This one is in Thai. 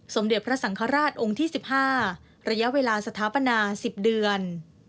สมเด็จพระสังฆราชองค์ที่๑๕ระยะเวลาสถาปนา๑๐เดือน